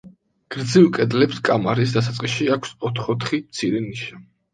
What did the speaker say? გრძივ კედლებს კამარის დასაწყისში აქვს ოთხ-ოთხი მცირე ნიშა.